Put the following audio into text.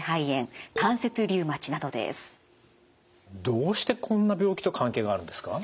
どうしてこんな病気と関係があるんですか？